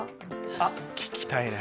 あっ聞きたいね。